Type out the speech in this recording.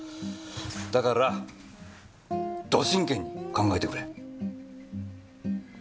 だからド真剣に考えてくれ。